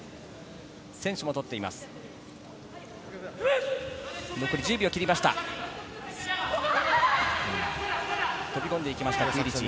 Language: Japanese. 先取も取っています。